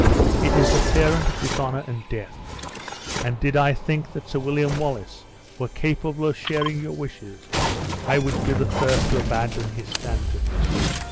It is the parent of dishonor and death. And did I think that Sir William Wallace were capable of sharing your wishes, I would be the first to abandon his standard.